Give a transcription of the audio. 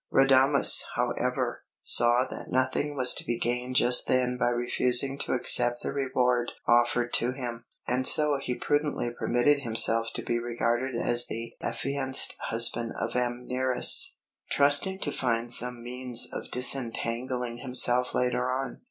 Radames, however, saw that nothing was to be gained just then by refusing to accept the reward offered to him; and so he prudently permitted himself to be regarded as the affianced husband of Amneris, trusting to find some means of disentangling himself later on.